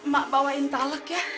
mbak bawain taleg ya